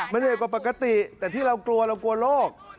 มันใหญ่กว่าปกติแต่ที่เรากลัวเรากลัวโรค